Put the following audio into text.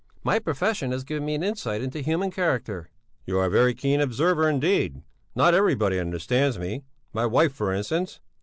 "My profession has given me an insight into human character." "You are a very keen observer indeed. Not everybody understands me. My wife, for instance...."